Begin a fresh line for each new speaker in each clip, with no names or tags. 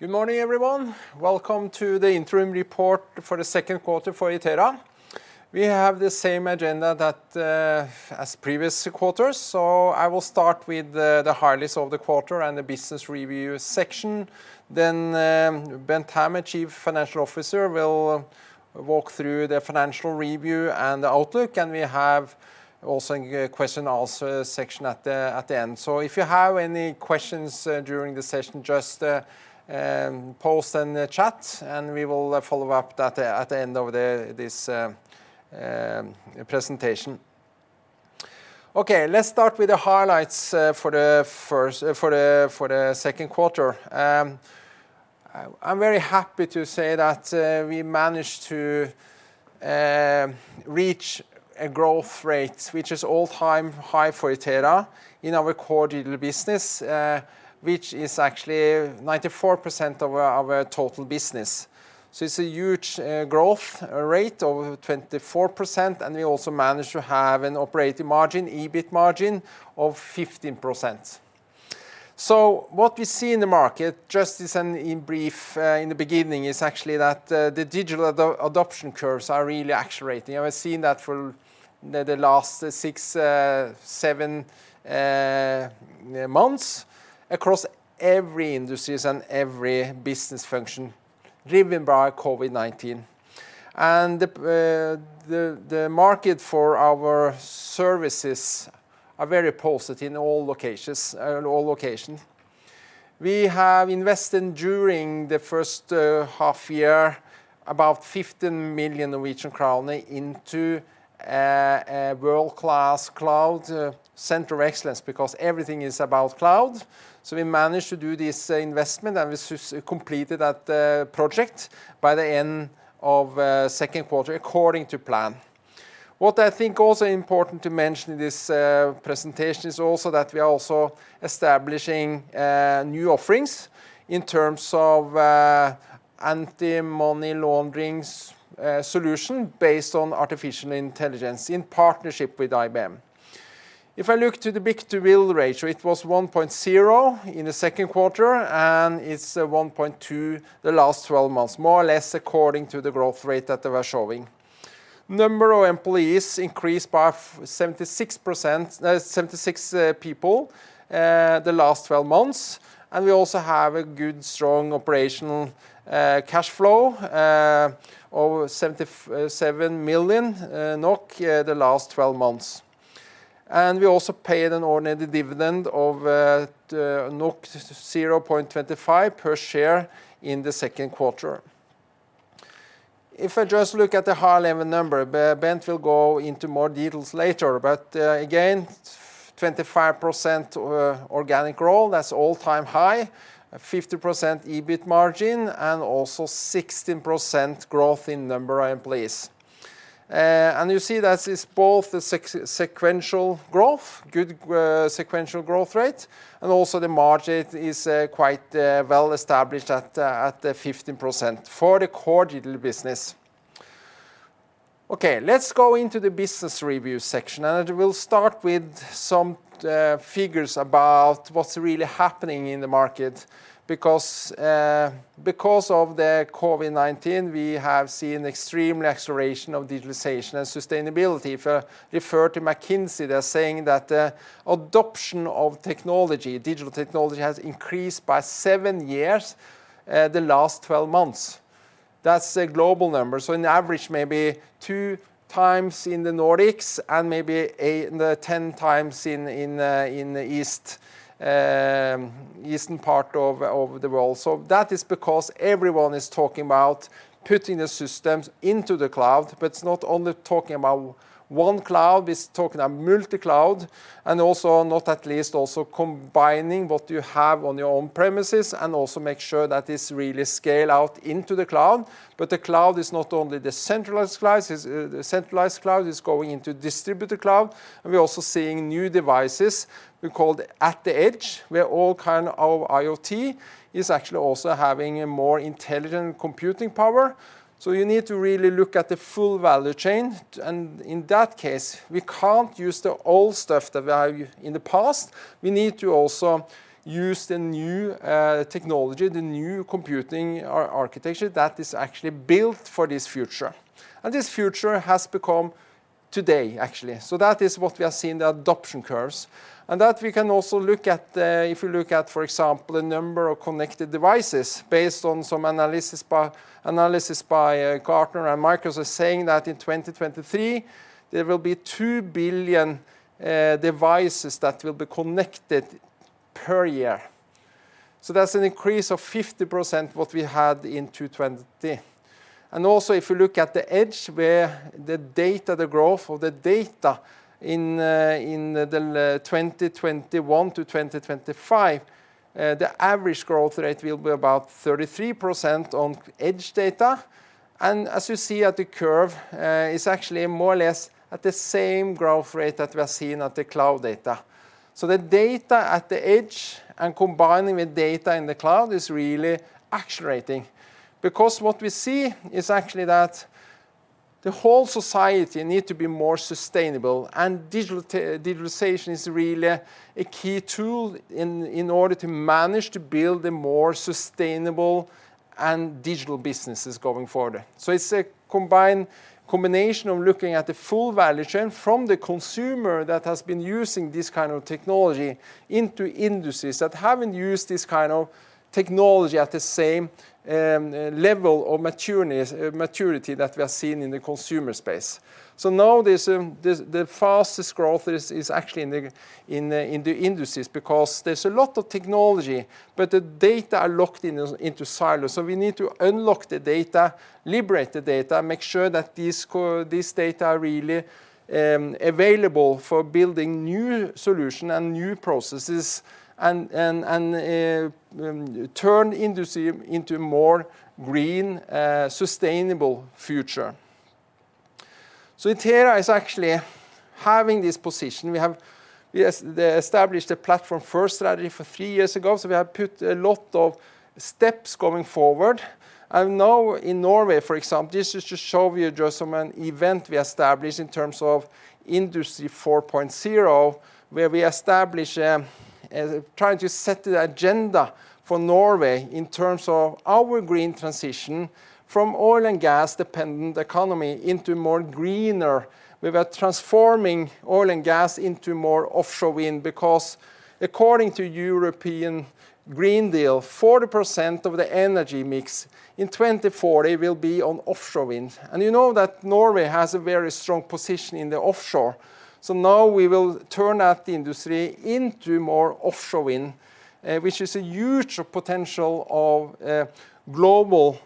Good morning, everyone. Welcome to the interim report for the second quarter for Itera. We have the same agenda as previous quarter, so I will start with the highlights of the quarter and the business review section. Bent Hammer, Chief Financial Officer, will walk through the financial review and outlook, and we have also a question answer section at the end. If you have any questions during the session, just post in the chat and we will follow up at the end of this presentation. Let's start with the highlights for the second quarter. I'm very happy to say that we managed to reach a growth rate, which is all-time high for Itera in our core digital business, which is actually 94% of our total business. It's a huge growth rate of 24%, and we also managed to have an operating margin, EBIT margin of 15%. What we see in the market, just in brief in the beginning, is actually that the digital adoption curves are really accelerating. We're seeing that for the last six, seven months across every industries and every business function driven by COVID-19. The market for our services are very positive in all locations. We have invested during the first half year about 15 million Norwegian kroner into a world-class cloud center of excellence because everything is about cloud. We managed to do this investment, and we completed that project by the end of second quarter according to plan. What I think also important to mention in this presentation is also that we are also establishing new offerings in terms of anti-money laundering solution based on artificial intelligence in partnership with IBM. If I look to the book-to-bill ratio, it was 1.0 in the second quarter, and it's 1.2 the last 12 months, more or less according to the growth rate that we're showing. Number of employees increased by 76 people the last 12 months. We also have a good, strong operational cash flow of 77 million NOK the last 12 months. We also paid an ordinary dividend of 0.25 per share in the second quarter. If I just look at the high-level number, Bent will go into more details later. Again, 25% organic growth, that's all-time high, 50% EBIT margin, and also 16% growth in number of employees. You see that it's both a sequential growth, good sequential growth rate, and also the margin is quite well-established at the 15% for the core digital business. Okay, let's go into the business review section. We'll start with some figures about what's really happening in the market. Because of the COVID-19, we have seen extreme acceleration of digitalization and sustainability. If I refer to McKinsey, they are saying that the adoption of technology, digital technology, has increased by seven years the last 12 months. That's a global number. In average maybe two times in the Nordics and maybe 10 times in the eastern part of the world. That is because everyone is talking about putting the systems into the cloud. It's not only talking about one cloud, it's talking a multi-cloud, and also not least also combining what you have on your own premises and also make sure that it's really scale out into the cloud. The cloud is not only the centralized cloud, it's going into distributed cloud. We're also seeing new devices we call at the edge, where all kind of IoT is actually also having a more intelligent computing power. You need to really look at the full value chain. In that case, we can't use the old stuff that were in the past. We need to also use the new technology, the new computing architecture that is actually built for this future. This future has become today, actually. That is what we are seeing, the adoption curves. That we can also look at, if you look at, for example, the number of connected devices based on some analysis by Gartner and Microsoft saying that in 2023, there will be 2 billion devices that will be connected per year. That's an increase of 50% what we had in 2020. If you look at the edge where the data, the growth of the data in the 2021-2025, the average growth rate will be about 33% on edge data. As you see at the curve, it's actually more or less at the same growth rate that we are seeing at the cloud data. The data at the edge and combining with data in the cloud is really accelerating. Because what we see is actually that the whole society needs to be more sustainable, and digitalization is really a key tool in order to manage to build the more sustainable and digital businesses going forward. It's a combination of looking at the full value chain from the consumer that has been using this kind of technology into industries that haven't used this kind of technology at the same level of maturity that we are seeing in the consumer space. Now the fastest growth is actually in the industries because there's a lot of technology, but the data are locked into silos. We need to unlock the data, liberate the data, make sure that this data are really available for building new solution and new processes and turn industry into more green, sustainable future. Itera is actually having this position. We have established a Platform First strategy for three years ago, so we have put a lot of steps going forward. Now in Norway, for example, this is to show you just from an event we established in terms of Industry 4.0, where we established and tried to set the agenda for Norway in terms of our green transition from oil and gas dependent economy into more greener. We were transforming oil and gas into more offshore wind because according to European Green Deal, 40% of the energy mix in 2040 will be on offshore wind. You know that Norway has a very strong position in the offshore. Now we will turn that industry into more offshore wind, which is a huge potential of global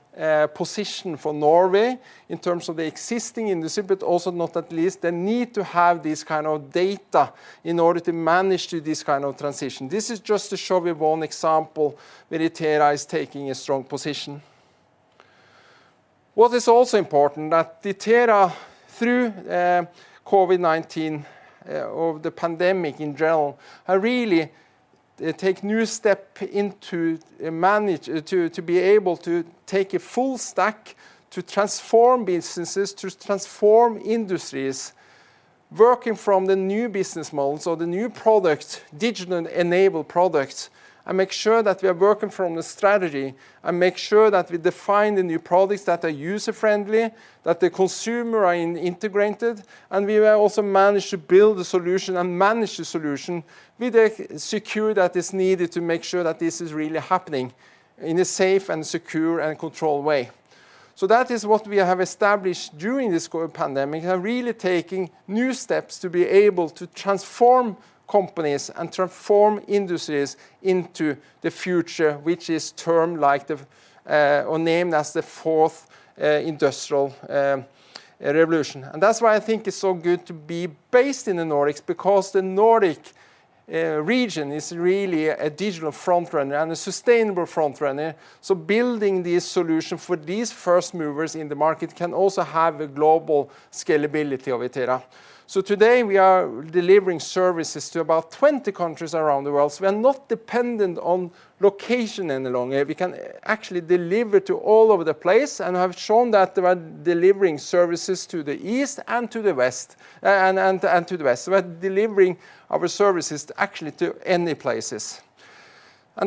position for Norway in terms of the existing industry, but also not at least the need to have this kind of data in order to manage this kind of transition. This is just to show you one example where Itera is taking a strong position. What is also important that Itera, through COVID-19, or the pandemic in general, have really take new step into manage to be able to take a full stack to transform businesses, to transform industries, working from the new business models or the new product, digital-enabled products, and make sure that we are working from the strategy and make sure that we define the new products that are user-friendly, that the consumer are integrated, and we will also manage to build the solution and manage the solution with the security that is needed to make sure that this is really happening in a safe and secure and controlled way. That is what we have established during this global pandemic, and really taking new steps to be able to transform companies and transform industries into the future, which is termed or named as the Fourth Industrial Revolution. That's why I think it's so good to be based in the Nordics, because the Nordic region is really a digital front-runner and a sustainable front-runner. Building this solution for these first movers in the market can also have a global scalability of Itera. Today, we are delivering services to about 20 countries around the world. We are not dependent on location any longer. We can actually deliver to all over the place and have shown that we're delivering services to the east and to the west. We're delivering our services actually to any places.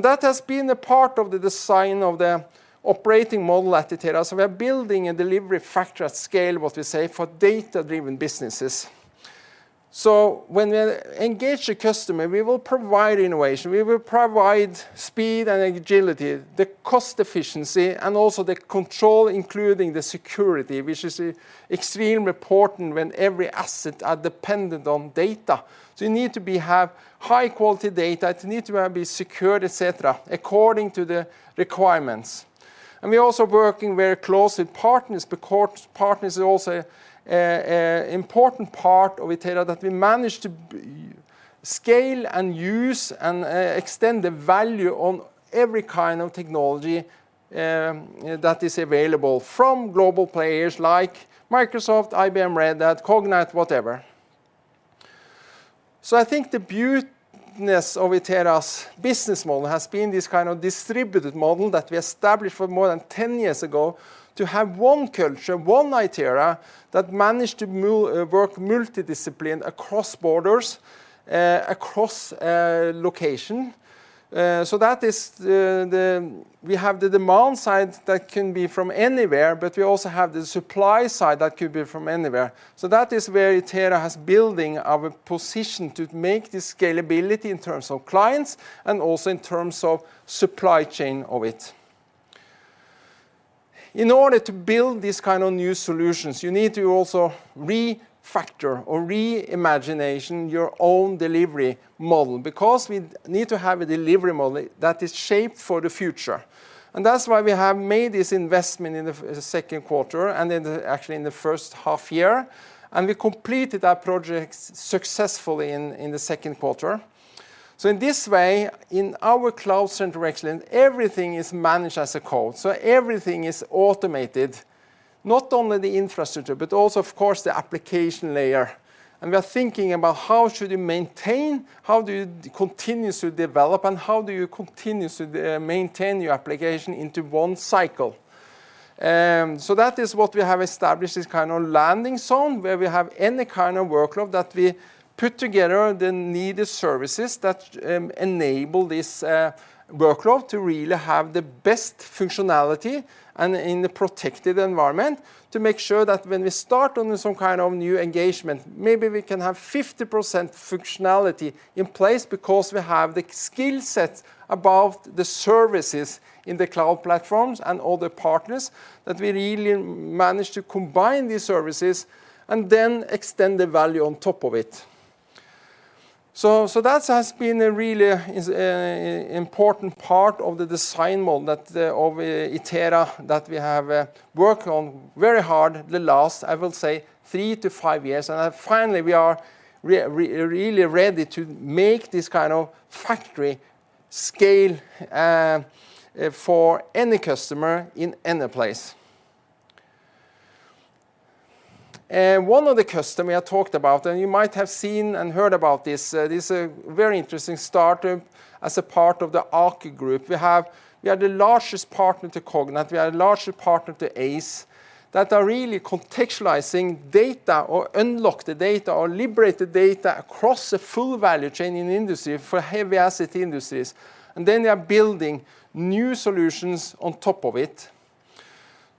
That has been a part of the design of the operating model at Itera. We are building a delivery factory at scale, what we say, for data-driven businesses. When we engage a customer, we will provide innovation, we will provide speed and agility, the cost efficiency, and also the control, including the security, which is extremely important when every asset are dependent on data. You need to have high-quality data, you need to be secured, et cetera, according to the requirements. We're also working very close with partners because partners are also important part of Itera that we manage to scale and use and extend the value on every kind of technology that is available from global players like Microsoft, IBM, Red Hat, Cognite, whatever. I think the beauty of Itera's business model has been this kind of distributed model that we established for more than 10 years ago to have one culture, one Itera, that managed to work multi-discipline across borders, across location. We have the demand side that can be from anywhere, but we also have the supply side that could be from anywhere. That is where Itera has building our position to make this scalability in terms of clients and also in terms of supply chain of it. In order to build these kind of new solutions, you need to also refactor or re-imagination your own delivery model because we need to have a delivery model that is shaped for the future. That's why we have made this investment in second quarter and actually in the first half year, and we completed that project successfully in second quarter. In this way, in our cloud-centric region, everything is managed as a code. Everything is automated, not only the infrastructure, but also, of course, the application layer. We are thinking about how should you maintain, how do you continuously develop, and how do you continuously maintain your application into one cycle? That is what we have established, this kind of landing zone where we have any kind of workload that we put together, the needed services that enable this workload to really have the best functionality and in the protected environment to make sure that when we start on some kind of new engagement, maybe we can have 50% functionality in place because we have the skill set about the services in the cloud platforms and all the partners, that we really manage to combine these services and then extend the value on top of it. That has been a really important part of the design model of Itera that we have worked on very hard the last, I will say, three to five years. Finally, we are really ready to make this kind of factory scale for any customer in any place. One of the customers we have talked about, and you might have seen and heard about this very interesting startup as a part of the Aker Group. We are the largest partner to Cognite, we are the largest partner to Aize, that are really contextualizing data or unlock the data or liberate the data across the full value chain in Industry 4.0 heavy asset industries. Then we are building new solutions on top of it.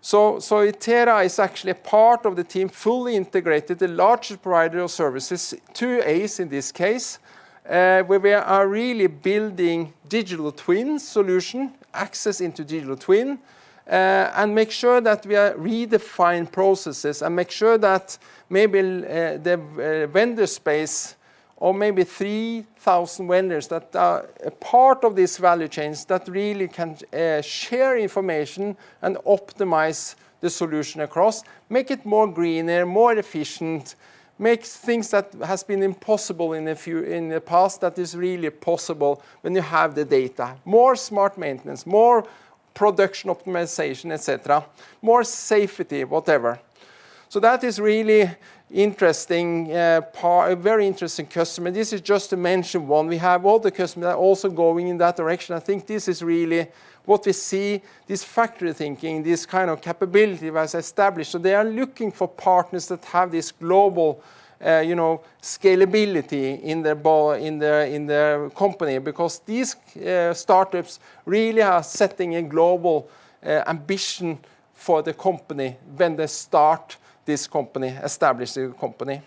Itera is actually a part of the team, fully integrated, the largest provider of services to Aize in this case, where we are really building digital twin solution, access into digital twin, and make sure that we are redefine processes and make sure that maybe the vendor space or maybe 3,000 vendors that are a part of this value chain that really can share information and optimize the solution across, make it more greener, more efficient, make things that has been impossible in the past that is really possible when you have the data. More smart maintenance, more production optimization, et cetera, more safety, whatever. That is really interesting part, a very interesting customer. This is just to mention one. We have other customer that are also going in that direction. I think this is really what we see, this factory thinking, this kind of capability was established. They are looking for partners that have this global scalability in their company because these startups really are setting a global ambition for the company when they start this company, establish a company.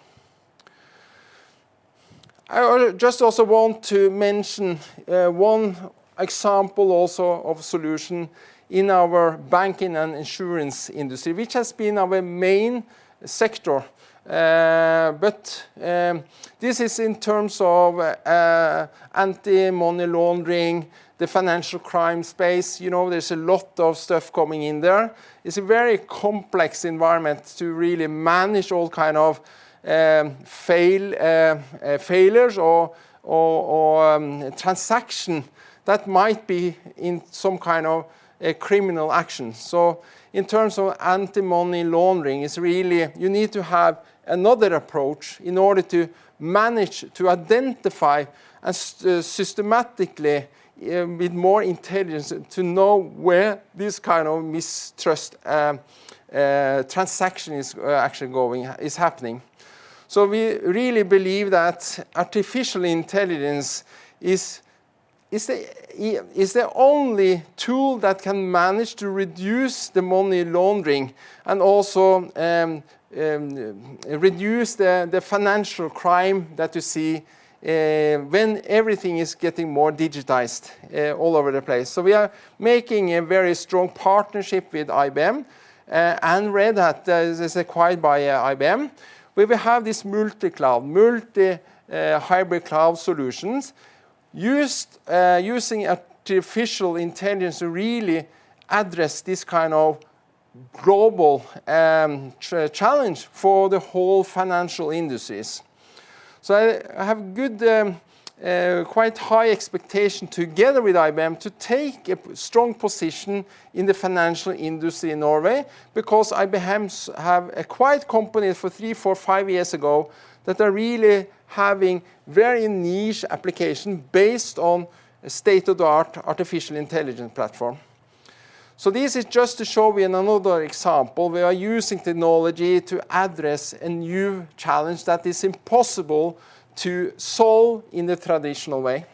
I just also want to mention one example also of solution in our banking and insurance industry, which has been our main sector. This is in terms of anti-money laundering, the financial crime space. There's a lot of stuff coming in there. It's a very complex environment to really manage all kind of failures or transaction that might be in some kind of criminal action. In terms of anti-money laundering, you need to have another approach in order to manage to identify and systematically with more intelligence to know where this kind of mistrust transaction is happening. We really believe that artificial intelligence is the only tool that can manage to reduce the money laundering and also reduce the financial crime that you see when everything is getting more digitized all over the place. We are making a very strong partnership with IBM and Red Hat is acquired by IBM, where we have this multi-cloud, multi hybrid cloud solutions, using artificial intelligence to really address this kind of global challenge for the whole financial industries. I have quite high expectation together with IBM to take a strong position in the financial industry in Norway because IBM have acquired company for three, four, five years ago that are really having very niche application based on state-of-the-art artificial intelligence platform. This is just to show we in another example are using technology to address a new challenge that is impossible to solve in the traditional way.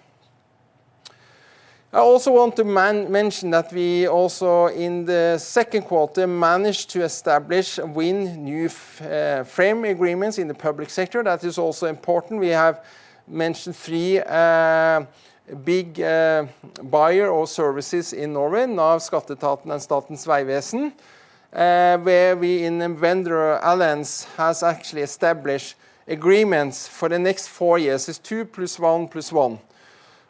I also want to mention that we also in the second quarter managed to establish win new frame agreements in the public sector. That is also important. We have mentioned three big buyer or services in Norway, NAV, Skatteetaten, and Statens vegvesen where we in a vendor alliance has actually established agreements for the next four years. It's 2+1, +1,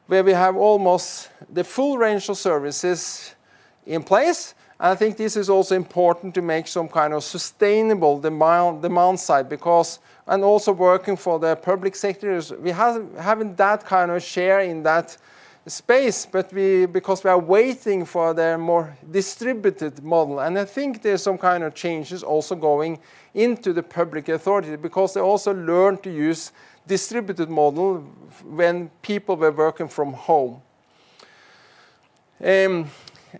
where we have almost the full range of services in place. I think this is also important to make some kind of sustainable demand side because, and also working for the public sectors. We haven't that kind of share in that space, but because we are waiting for the more distributed model, and I think there's some kind of changes also going into the public authority because they also learned to use distributed model when people were working from home.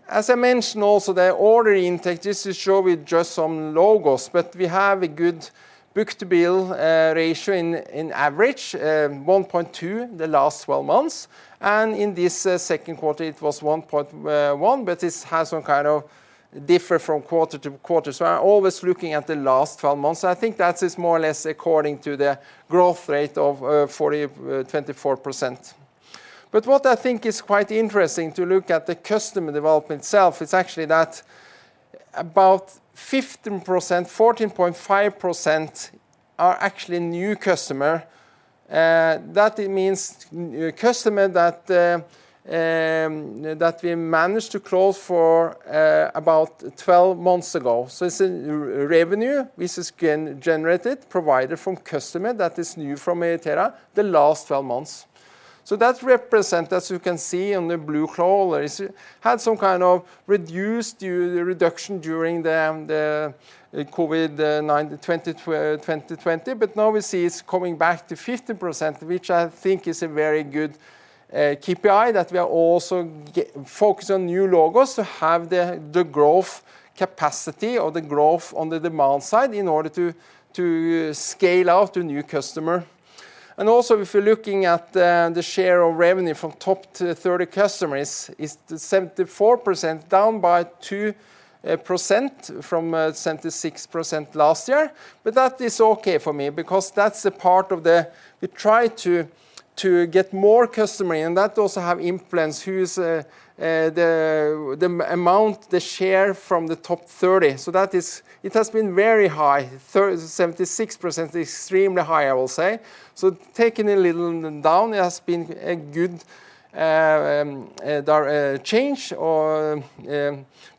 As I mentioned also, the order intake, this is showing just some logos, but we have a good book-to-bill ratio in average, 1.2 the last 12 months. In this second quarter, it was 1.1, but this has some kind of differ from quarter to quarter. I always looking at the last 12 months. I think that is more or less according to the growth rate of 24%. What I think is quite interesting to look at the customer development itself, is actually that about 14.5% are actually new customer. That means customer that we managed to close for about 12 months ago. It's a revenue which is generated, provided from customer that is new from Itera the last 12 months. That represent, as you can see on the blue column, had some kind of reduced reduction during the COVID-19 2020. Now we see it's coming back to 15%, which I think is a very good KPI that we are also focused on new logos to have the growth capacity or the growth on the demand side in order to scale out to new customer. Also, if you're looking at the share of revenue from top to 30 customers, is 74%, down by 2% from 76% last year. That is okay for me because that's the part of the. We try to get more customer and that also have influence who is the amount, the share from the top 30. It has been very high, 76% is extremely high, I will say. Taking a little down has been a good change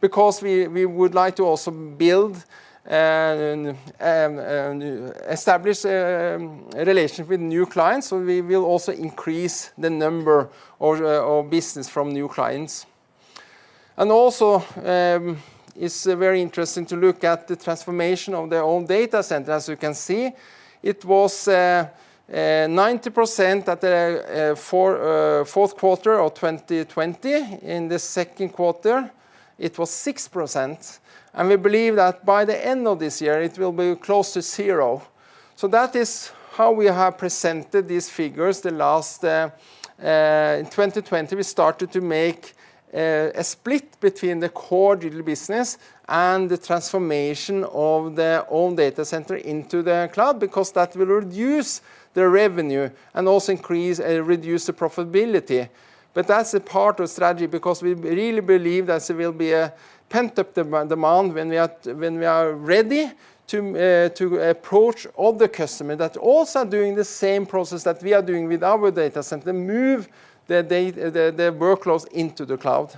because we would like to also build and establish a relationship with new clients, so we will also increase the number of business from new clients. Also, it's very interesting to look at the transformation of their own data center. As you can see, it was 90% at the fourth quarter of 2020. In the second quarter, it was 6%. We believe that by the end of this year, it will be close to zero. That is how we have presented these figures. In 2020, we started to make a split between the core digital business and the transformation of their own data center into the cloud because that will reduce the revenue and also reduce the profitability. That's a part of strategy because we really believe that there will be a pent-up demand when we are ready to approach other customer that also are doing the same process that we are doing with our data center, move their workloads into the cloud.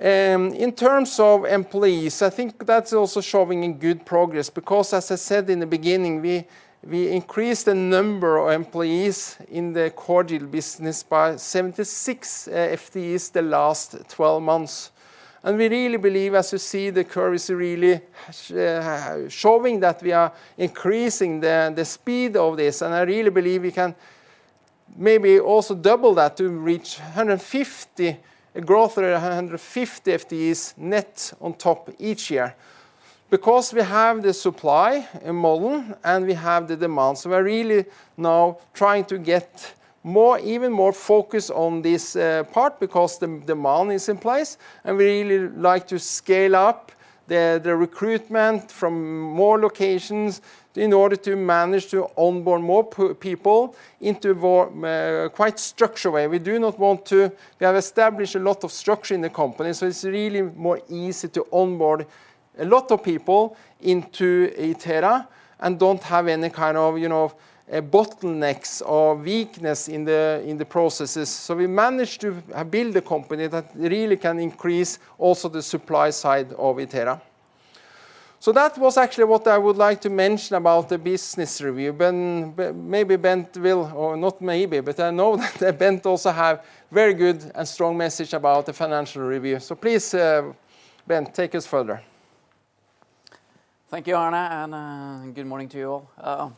In terms of employees, I think that's also showing a good progress because as I said in the beginning, we increased the number of employees in the core digital business by 76 FTEs the last 12 months. We really believe, as you see, the curve is really showing that we are increasing the speed of this. I really believe we can maybe also double that to reach a growth rate of 150 FTEs net on top each year because we have the supply model and we have the demand. We're really now trying to get even more focused on this part because the demand is in place, and we really like to scale up the recruitment from more locations in order to manage to onboard more people into quite structured way. We have established a lot of structure in the company, so it's really more easy to onboard a lot of people into Itera and don't have any kind of bottlenecks or weakness in the processes. We managed to build a company that really can increase also the supply side of Itera. That was actually what I would like to mention about the business review. Maybe Bent will, or not maybe, but I know that Bent also have very good and strong message about the financial review. Please, Bent, take us further.
Thank you, Arne, and good morning to you all.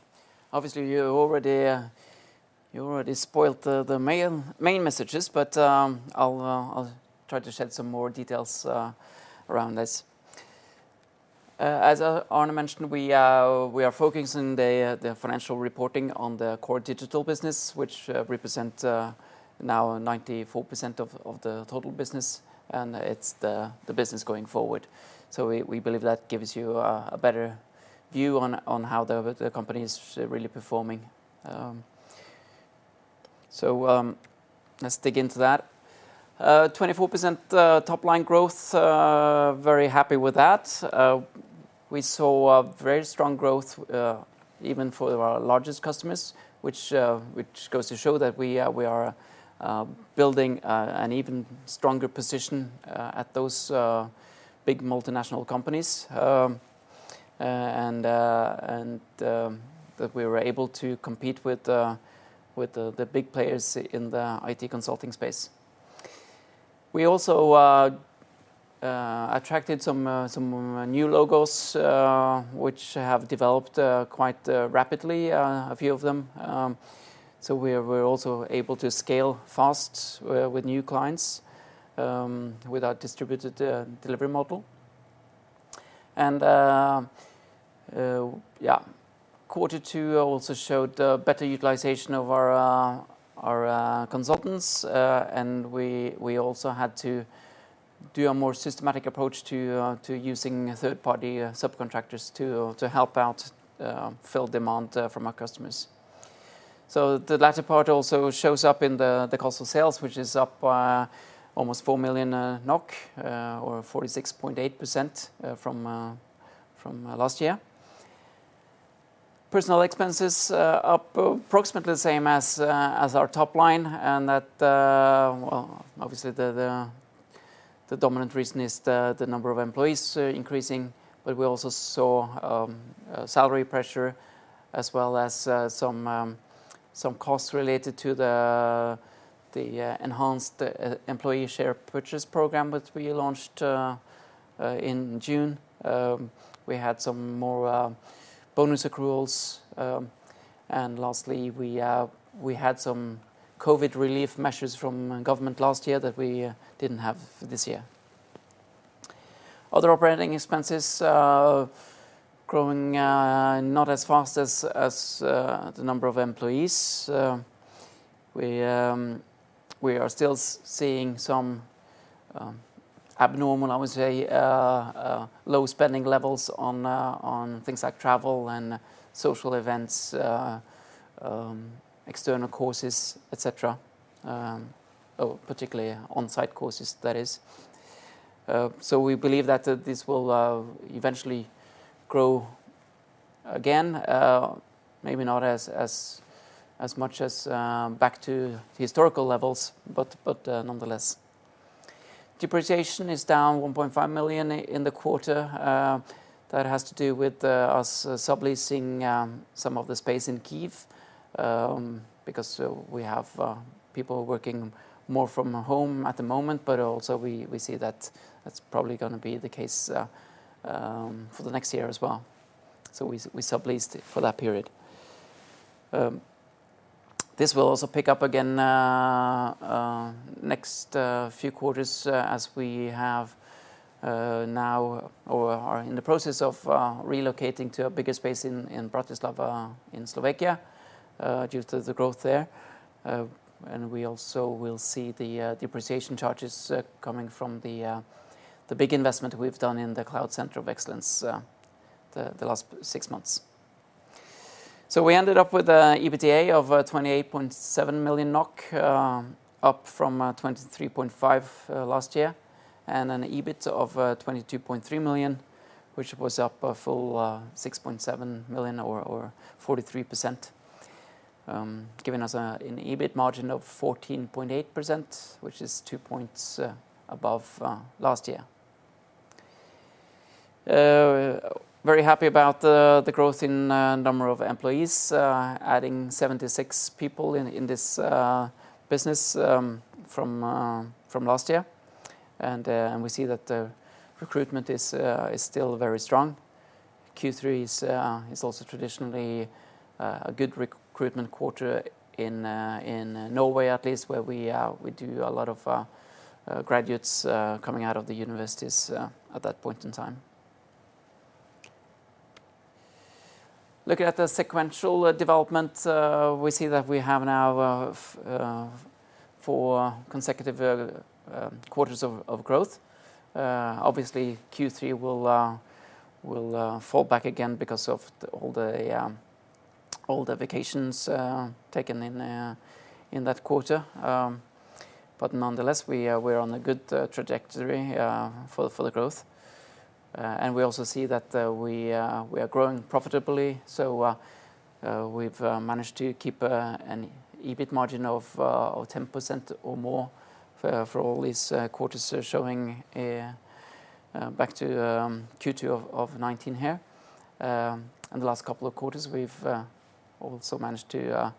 You already spoiled the main messages. I'll try to shed some more details around this. As Arne mentioned, we are focusing the financial reporting on the core digital business, which represent now 94% of the total business, and it's the business going forward. We believe that gives you a better view on how the company is really performing. Let's dig into that. 24% top line growth, very happy with that. We saw a very strong growth even for our largest customers, which goes to show that we are building an even stronger position at those big multinational companies, and that we were able to compete with the big players in the IT consulting space. We also attracted some new logos, which have developed quite rapidly, a few of them. We’re also able to scale fast with new clients with our distributed delivery model. Quarter two also showed better utilization of our consultants. We also had to do a more systematic approach to using third-party subcontractors to help out fill demand from our customers. The latter part also shows up in the cost of sales, which is up almost 4 million NOK or 46.8% from last year. Personnel expenses are approximately the same as our top line, and that, well, obviously the dominant reason is the number of employees increasing, but we also saw salary pressure as well as some costs related to the enhanced employee share purchase program which we launched in June. We had some more bonus accruals. Lastly, we had some COVID relief measures from government last year that we didn’t have this year. Other operating expenses are growing not as fast as the number of employees. We are still seeing some abnormal, I would say, low spending levels on things like travel and social events, external courses, et cetera. Particularly on-site courses, that is. We believe that this will eventually grow again. Maybe not as much as back to historical levels, but nonetheless. Depreciation is down 1.5 million in the quarter. That has to do with us subleasing some of the space in Kyiv because we have people working more from home at the moment, but also we see that that's probably going to be the case for the next year as well. We subleased it for that period. This will also pick up again next few quarters as we have now or are in the process of relocating to a bigger space in Bratislava, in Slovakia, due to the growth there. We also will see the depreciation charges coming from the big investment we've done in the cloud center of excellence the last six months. We ended up with EBITDA of 28.7 million NOK, up from 23.5 million last year, and an EBIT of 22.3 million, which was up a full 6.7 million or 43%, giving us an EBIT margin of 14.8%, which is two points above last year. Very happy about the growth in number of employees, adding 76 people in this business from last year. We see that the recruitment is still very strong. Q3 is also traditionally a good recruitment quarter in Norway at least, where we do a lot of graduates coming out of the universities at that point in time. Looking at the sequential development, we see that we have now four consecutive quarters of growth. Q3 will fall back again because of all the vacations taken in that quarter. Nonetheless, we're on a good trajectory for the growth. We also see that we are growing profitably, so we've managed to keep an EBIT margin of 10% or more for all these quarters showing back to Q2 of 2019 here. The last couple of quarters, we've also managed to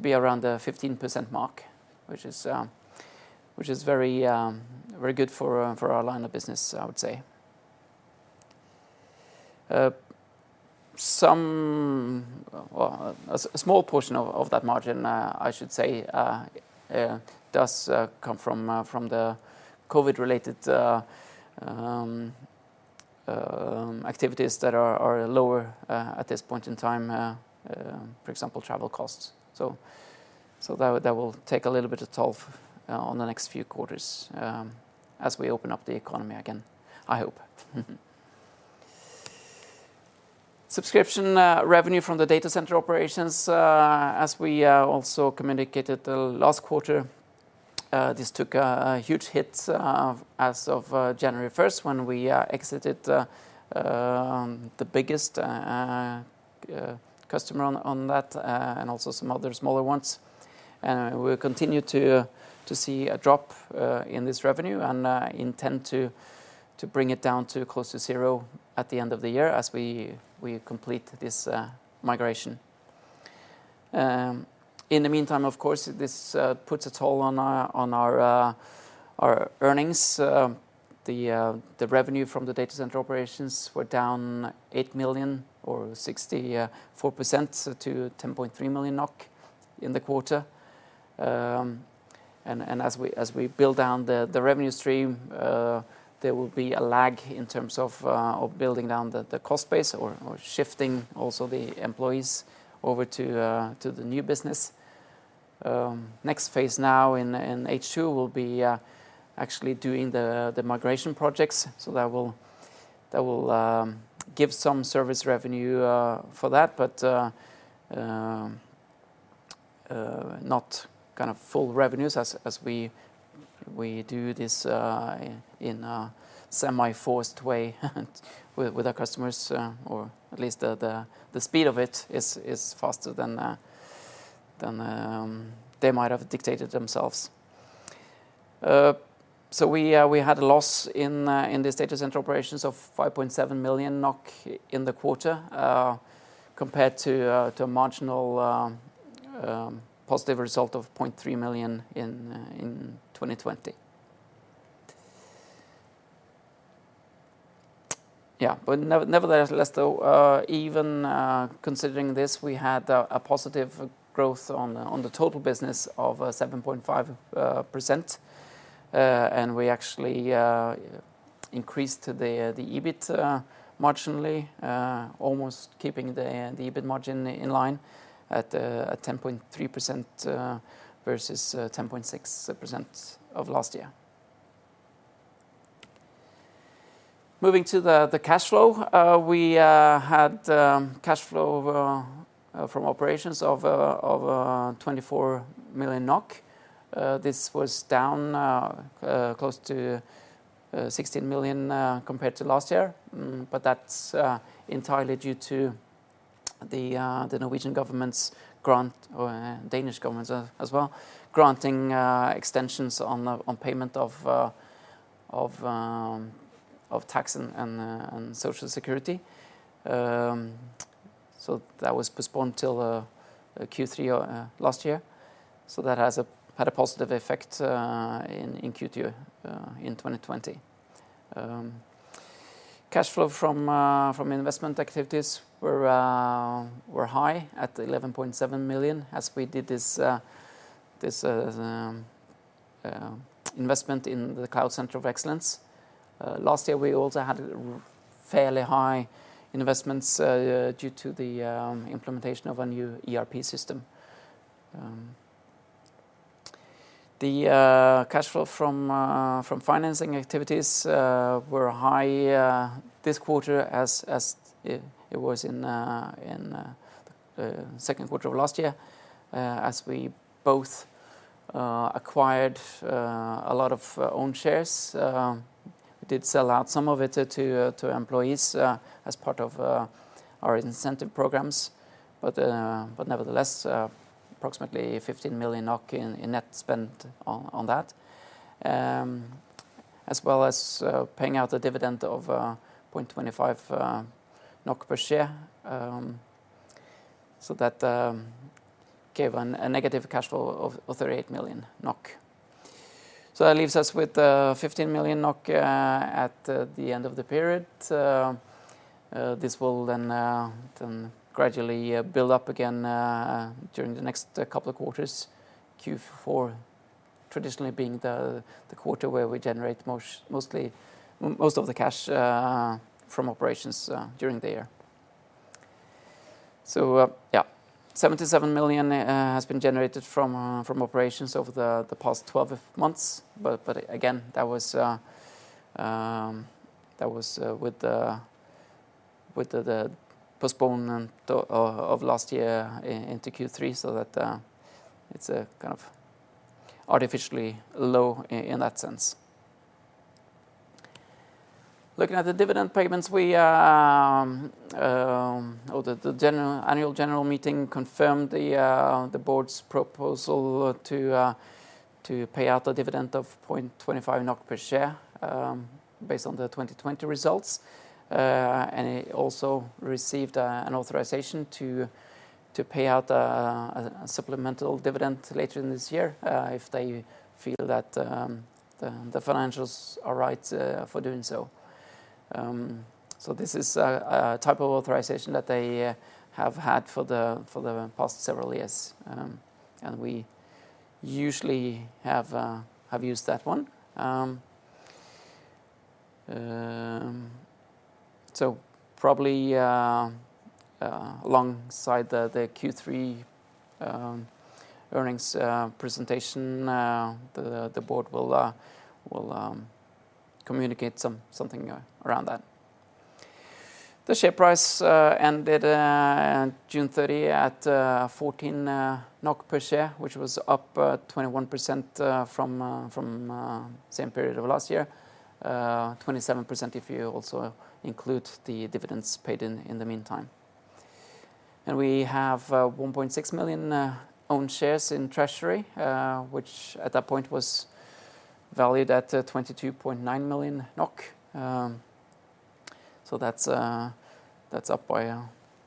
be around the 15% mark, which is very good for our line of business, I would say. A small portion of that margin, I should say, does come from the COVID-related activities that are lower at this point in time. For example, travel costs. That will take a little bit of toll on the next few quarters as we open up the economy again, I hope. Subscription revenue from the data center operations, as we also communicated the last quarter, this took a huge hit as of January 1st when we exited the biggest customer on that and also some other smaller ones. We'll continue to see a drop in this revenue and intend to bring it down to close to zero at the end of the year as we complete this migration. In the meantime, of course, this puts a toll on our earnings. The revenue from the data center operations were down 8 million or 64% to 10.3 million NOK in the quarter. As we build down the revenue stream, there will be a lag in terms of building down the cost base or shifting also the employees over to the new business. Next phase now in H2 will be actually doing the migration projects. That will give some service revenue for that. Not full revenues as we do this in a semi-forced way with our customers, or at least the speed of it is faster than they might have dictated themselves. We had a loss in this data center operations of 5.7 million NOK in the quarter, compared to a marginal positive result of 0.3 million in 2020. Nevertheless though, even considering this, we had a positive growth on the total business of 7.5%, and we actually increased the EBIT marginally, almost keeping the EBIT margin in line at 10.3% versus 10.6% of last year. Moving to the cash flow. We had cash flow from operations of 24 million NOK. This was down close to 16 million compared to last year, that's entirely due to the Norwegian government's grant, or Danish government as well, granting extensions on payment of tax and Social Security. That was postponed till Q3 last year. That has had a positive effect in Q2 in 2020. Cash flow from investment activities were high at 11.7 million as we did this investment in the Cloud Center of Excellence. Last year we also had fairly high investments due to the implementation of a new ERP system. The cash flow from financing activities were high this quarter as it was in the second quarter of last year as we both acquired a lot of own shares. We did sell out some of it to employees as part of our incentive programs. Nevertheless, approximately 15 million NOK in net spend on that, as well as paying out a dividend of 0.25 NOK per share. That gave a negative cash flow of 38 million NOK. That leaves us with 15 million NOK at the end of the period. This will then gradually build up again during the next couple of quarters, Q4 traditionally being the quarter where we generate most of the cash from operations during the year. Yeah, 77 million has been generated from operations over the past 12 months. Again, that was with the postponement of last year into Q3, so that it's artificially low in that sense. Looking at the dividend payments, the annual general meeting confirmed the board's proposal to pay out a dividend of 0.25 NOK per share based on the 2020 results. It also received an authorization to pay out a supplemental dividend later in this year if they feel that the financials are right for doing so. This is a type of authorization that they have had for the past several years. We usually have used that one. Probably alongside the Q3 earnings presentation, the board will communicate something around that. The share price ended June 30 at 14 NOK per share, which was up 21% from same period of last year, 27% if you also include the dividends paid in the meantime. We have 1.6 million own shares in treasury, which at that point was valued at 22.9 million NOK. That's up by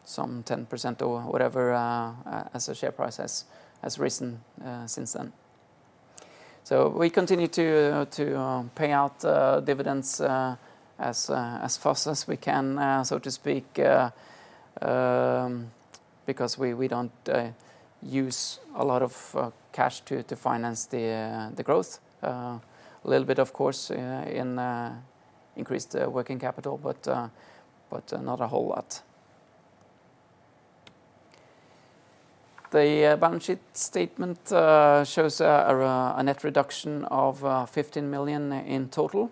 some 10% or whatever as the share price has risen since then. We continue to pay out dividends as fast as we can, so to speak, because we don't use a lot of cash to finance the growth. A little bit, of course, in increased working capital, not a whole lot. The balance sheet statement shows a net reduction of 15 million in total.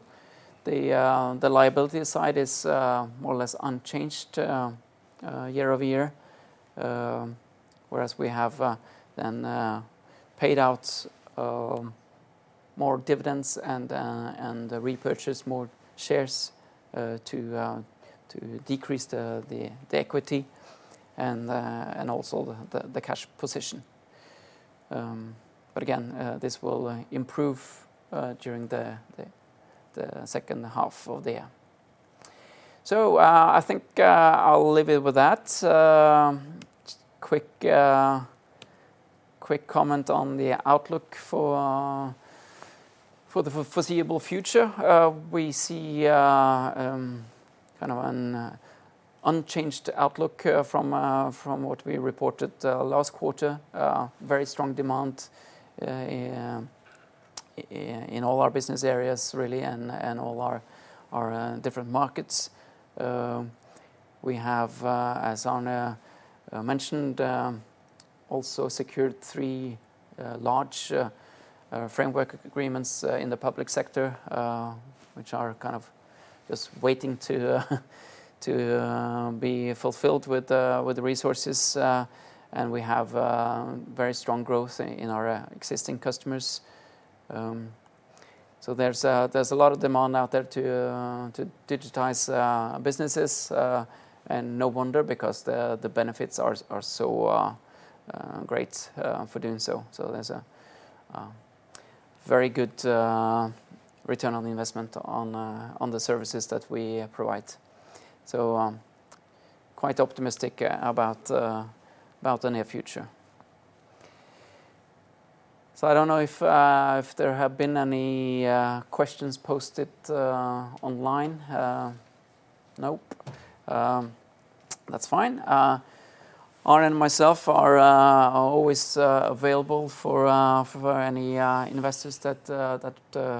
The liability side is more or less unchanged year-over-year, whereas we have then paid out more dividends and repurchased more shares to decrease the equity and also the cash position. Again, this will improve during the second half of the year. I think I'll leave it with that. Just a quick comment on the outlook for the foreseeable future. We see kind of an unchanged outlook from what we reported last quarter. Very strong demand in all our business areas, really, and all our different markets. We have, as Arne mentioned, also secured three large framework agreements in the public sector, which are kind of just waiting to be fulfilled with the resources. We have very strong growth in our existing customers. There's a lot of demand out there to digitize businesses, and no wonder, because the benefits are so great for doing so. There's a very good return on investment on the services that we provide. Quite optimistic about the near future. I don't know if there have been any questions posted online. Nope. That's fine. Arne and myself are always available for any investors that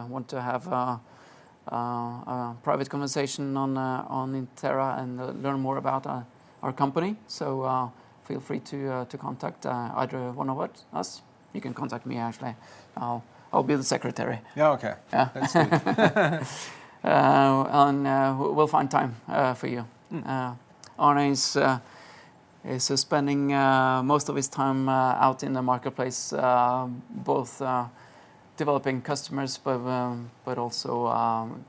want to have a private conversation on Itera and learn more about our company. Feel free to contact either one of us. You can contact me, actually. I'll be the secretary.
Yeah, okay.
Yeah. We'll find time for you. Arne is spending most of his time out in the marketplace, both developing customers, but also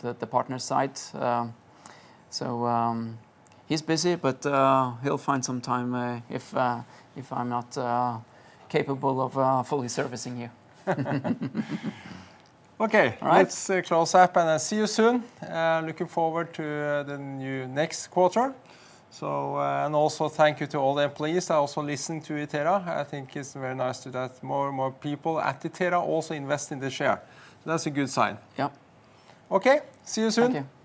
the partner side. He's busy, but he'll find some time if I'm not capable of fully servicing you.
Okay.
All right.
Let's close up, and I'll see you soon. Looking forward to the next quarter. Also thank you to all the employees that also listen to Itera. I think it's very nice that more and more people at Itera also invest in the share. That's a good sign.
Yeah.
Okay, see you soon.
Thank you.